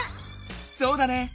そうだね！